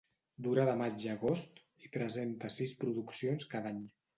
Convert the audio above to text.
Dura de maig a agost i presenta sis produccions cada any.